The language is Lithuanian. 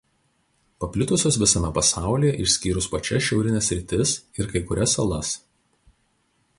Paplitusios visame pasaulyje išskyrus pačias šiaurines sritis ir kai kurias salas.